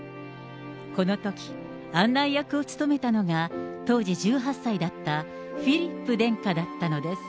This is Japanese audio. このとき、案内役を務めたのが、当時１８歳だったフィリップ殿下だったのです。